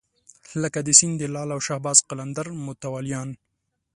لکه د سیند د لعل او شهباز قلندر متولیان.